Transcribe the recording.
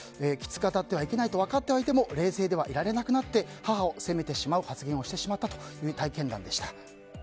きつく当たってはいけないと分かってはいても冷静ではいられなくなって母を責めてしまう発言をしてしまったという体験談でした。